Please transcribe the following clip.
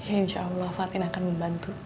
insya allah fatin akan membantu